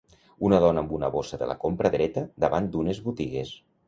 Una dona amb una bossa de la compra dreta davant d'unes botigues